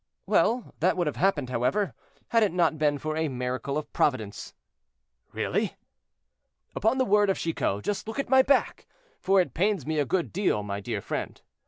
"Well, that would have happened, however, had it not been for a miracle of Providence."—"Really?" "Upon the word of Chicot, just look at my back, for it pains me a good deal, my dear friend."